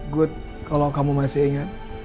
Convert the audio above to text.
good kalau kamu masih ingat